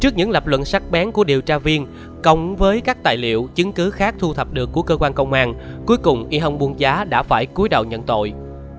trước những lập luận sắc bén của điều tra viên cộng với các tài liệu chứng cứ khác thu thập được của cơ quan công an cuối cùng y hong bung giá đã phải cuối đầu nhận tội